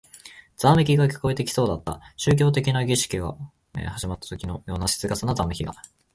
ざわめきが聞こえてきそうだった。宗教的な儀式が始まったときのような静かなざわめきが。